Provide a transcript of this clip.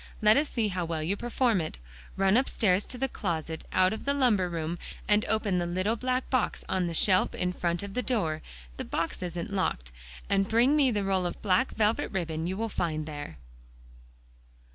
Let us see how well you perform it. Run upstairs to the closet out of the lumber room, and open the little black box on the shelf in front of the door the box isn't locked and bring me the roll of black velvet ribbon you will find there."